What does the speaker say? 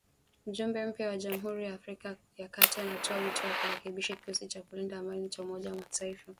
Mjumbe mpya wa Jamhuri ya Afrika ya Kati anatoa wito wa kurekebisha kikosi cha kulinda amani cha Umoja wa Mataifa